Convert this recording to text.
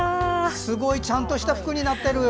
すごいちゃんとした服になってる！